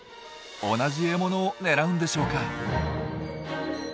同じ獲物を狙うんでしょうか？